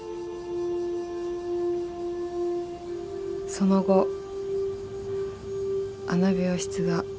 ［その後あの病室が］